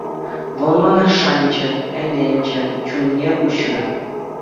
Вӑл мана шанчӗ, ӗненчӗ, чунне уҫрӗ.